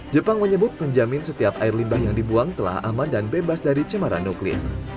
jepang menyebut penjamin setiap air limbah yang dibuang telah aman dan bebas dari cemaran nuklir